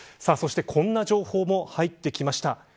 そしてこんな情報も入ってきました。